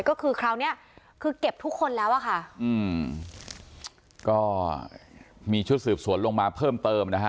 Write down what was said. ก็คือคราวเนี้ยคือเก็บทุกคนแล้วอ่ะค่ะอืมก็มีชุดสืบสวนลงมาเพิ่มเติมนะฮะ